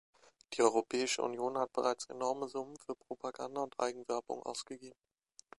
Die Europäische Union hat bereits enorme Summen für Propaganda und Eigenwerbung ausgegeben.